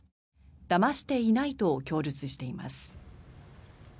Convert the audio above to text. だましていないと供述しています。